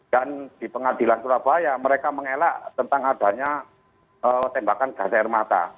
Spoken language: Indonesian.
dan di pengadilan kurabaya mereka mengelak tentang adanya tembakan gajah air mata